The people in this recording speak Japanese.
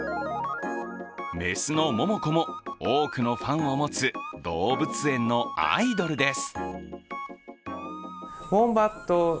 雌のモモコも多くのファンを持つ動物園のアイドルです。